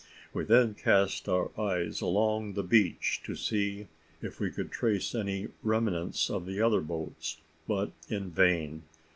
We then cast our eyes along the beach to see if we could trace any remnants of the other boats; but in vain.